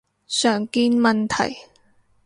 常見問題